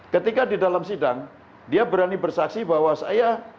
ketika di dalam sidang dia berani bersaksi bahwa saya